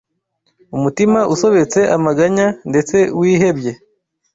umutima usobetse amaganya ndetse wihebye